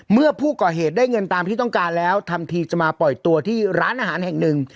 เมื่อผู้ก่อเหตุได้เงินตามที่ต้องการแล้วทำทีจะมาปล่อยตัวที่ร้านอาหารแห่งหนึ่ง